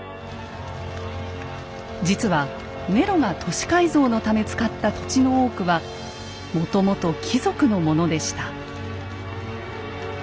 実はネロが都市改造のため使った土地の多くはもともと貴族のものでした。